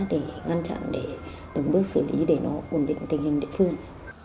để ngăn chặn để từng bước xử lý để nó ổn định tình hình địa phương